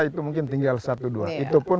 itu mungkin tinggal satu dua itu pun